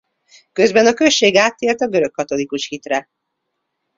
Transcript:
Közben a község áttért a görögkatolikus hitre.